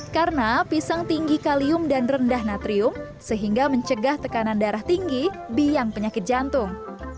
karena pisang tinggi kalium dan rendah natrium sehingga mencegah tekanan darah tinggi biang penyakit jantung